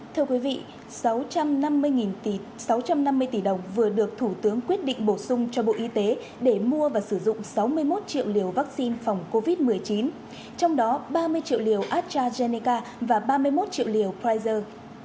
thưa quý vị sáu trăm năm mươi sáu trăm năm mươi tỷ đồng vừa được thủ tướng quyết định bổ sung cho bộ y tế để mua và sử dụng sáu mươi một triệu liều vaccine phòng covid một mươi chín trong đó ba mươi triệu liều astrazeneca và ba mươi một triệu liều pfizer